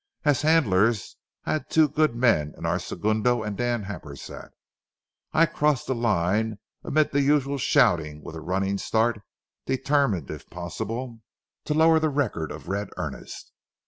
As handlers, I had two good men in our segundo and Dan Happersett. I crossed the line amid the usual shouting with a running start, determined, if possible, to lower the record of Red Earnest.